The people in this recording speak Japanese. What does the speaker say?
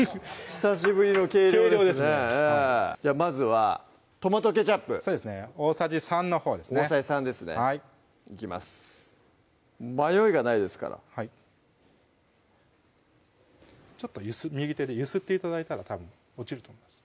久しぶりの計量ですねまずはトマトケチャップそうですね大さじ３のほうですね大さじ３ですねはいいきます迷いがないですからちょっと右手で揺すって頂いたらたぶん落ちると思います